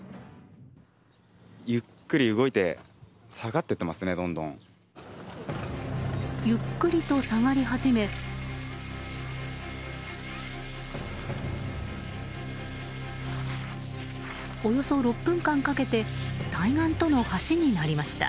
ゆっくりと下がり始めおよそ６分間かけて対岸との橋になりました。